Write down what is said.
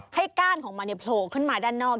ก้านของมันโผล่ขึ้นมาด้านนอก